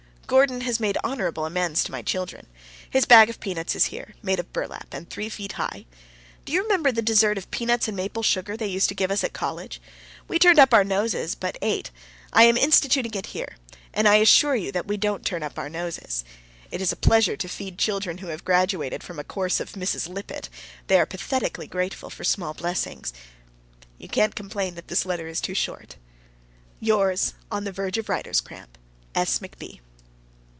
Gordon has made honorable amends to my children. His bag of peanuts is here, made of burlap and three feet high. Do you remember the dessert of peanuts and maple sugar they used to give us at college? We turned up our noses, but ate. I am instituting it here, and I assure you we don't turn up our noses. It is a pleasure to feed children who have graduated from a course of Mrs. Lippett; they are pathetically grateful for small blessings. You can't complain that this letter is too short. Yours, On the verge of writer's cramp, S. McB.